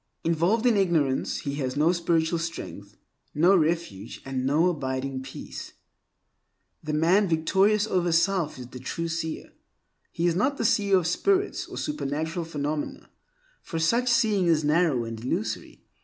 Involved in ignorance, he has no spiritual strength, no refuge, and no abiding peace. The man victorious over self is the true seer. He is not the seer of spirits or supernatural phenomena, for such seeing is narrow and illusory.